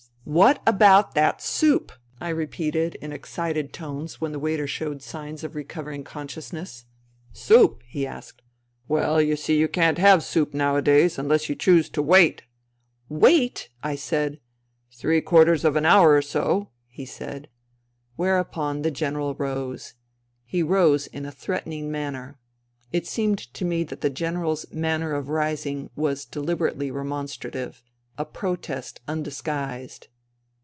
" What about that soup?" repeated in excited tones when the waiter showed signs of recovering con sciousness. " Soup ?" he asked. " Well, you see you can't INTERVENING IN SIBERIA 113 have soup nowadays ... unless you choose to wait ''" Wait !" I said. " Three quarters of an hour or so," he said. Whereupon the General rose. He rose in a threat ening manner. It seemed to me that the General's manner of rising was deliberately remonstrative, a protest undisguised.